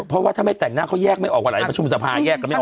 เพราะว่าถ้าไม่แต่งหน้าเขาแยกไม่ออกว่าหลายประชุมสภาแยกกันไม่ออก